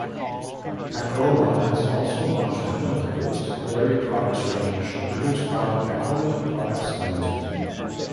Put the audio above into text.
Pakola has also launched a milk-based dairy products range produced by Pakola Products Limited.